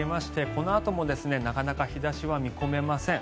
このあともなかなか日差しは見込めません。